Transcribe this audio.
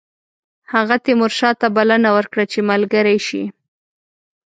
هغه تیمورشاه ته بلنه ورکړه چې ملګری شي.